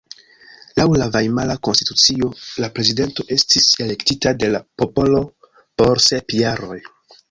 Laŭ la Vajmara Konstitucio la prezidento estis elektita de la popolo por sep jaroj.